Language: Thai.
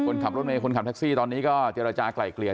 คนขับรถเมย์คนขับแท็กซี่ตอนนี้ก็เจรจากลายเกลี่ย